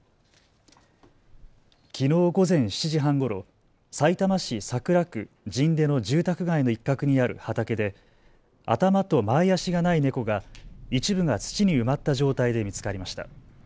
きのう午前７時半ごろ、さいたま市桜区神田の住宅街の一角にある畑で頭と前足がない猫が一部が土に埋まった状態で見つかりました。